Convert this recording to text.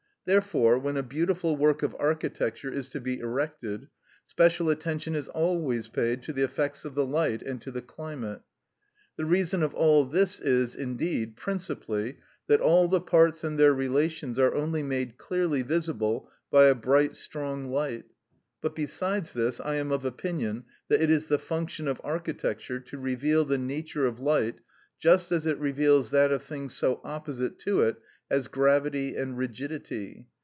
Therefore, when a beautiful work of architecture is to be erected, special attention is always paid to the effects of the light and to the climate. The reason of all this is, indeed, principally that all the parts and their relations are only made clearly visible by a bright, strong light; but besides this I am of opinion that it is the function of architecture to reveal the nature of light just as it reveals that of things so opposite to it as gravity and rigidity.